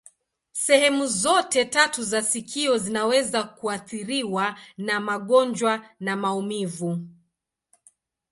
Sehemu zote tatu za sikio zinaweza kuathiriwa na magonjwa na maumivu.